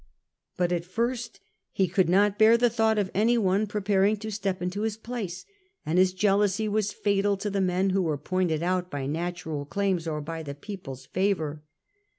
But at first he could not bear the thought of any one preparing to step into his place, and his jealousy was fatal to the men who were pointed out by natural claims or by the people's favour.